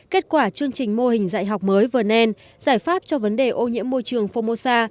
kết quả chương trình mô hình dạy học mới vừa nên giải pháp cho vấn đề ô nhiễm môi trường phongmosa